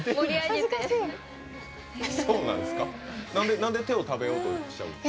なんで手を食べようとしちゃう？